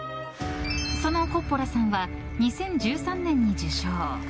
そのコッポラさんは２０１３年に受賞。